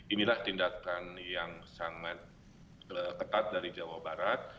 inilah tindakan yang sangat ketat dari jawa barat